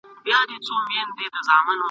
ړوند اوکوڼ سي له نېکیه یې زړه تور سي !.